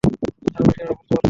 আরও পরিষ্কারভাবে বলতে পারতেন।